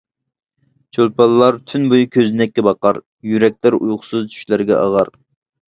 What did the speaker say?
چولپانلار تۈن بويى كۆزنەككە باقار، يۈرەكلەر ئۇيقۇسىز چۈشلەرگە ئاغار.